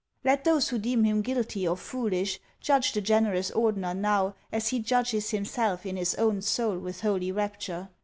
Let those who deem him guilty or foolish judge the generous Ordener now, as he judges himself in his own soul with holy rapture.